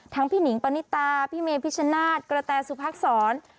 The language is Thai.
ทั้งพี่หนิงปณิตาพี่เมฆพิชชนะกระแตรสุภาคสร